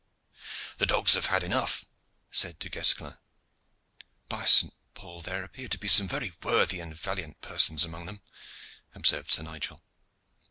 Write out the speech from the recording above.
"The dogs have had enough," said Du Guesclin. "By Saint Paul! there appear to be some very worthy and valiant persons among them," observed Sir Nigel.